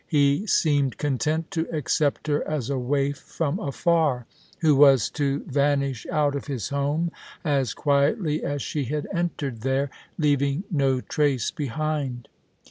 He seemed content to accept her as The Christmas Hirelings. 183 a waif from afar, who was to vanish out of his home as quietly as she had entered there, leaving no trace behind.